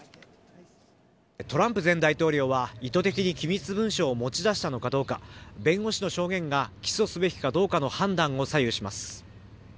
トランプ前大統領は意図的に機密文書を持ち出したのかどうか弁護士の証言が起訴すべきかどうかの判断を左右します。